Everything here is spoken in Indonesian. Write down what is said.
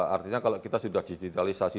artinya kalau kita sudah digitalisasi